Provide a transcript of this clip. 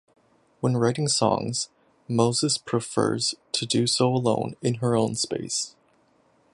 When writing songs Moses prefers to do so alone in her own space.